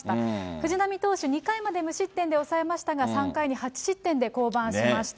藤浪投手、２回まで無失点で抑えましたが、３回に８失点で降板しました。